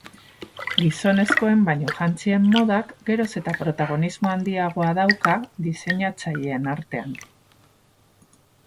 Gizonezkoen bainujantzien modak geroz eta protagonismo handiagoa dauka diseinatzaileen artean.